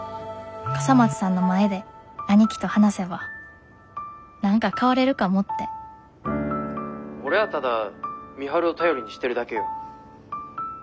笠松さんの前で兄貴と話せば何か変われるかもって俺はただ美晴を頼りにしてるだけよ。